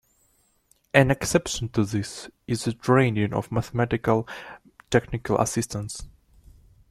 An exception to this is the training of mathematical-technical assistants.